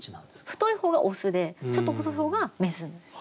太い方がオスでちょっと細い方がメスです。